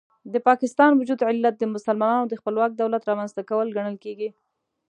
د پاکستان وجود علت د مسلمانانو د خپلواک دولت رامنځته کول ګڼل کېږي.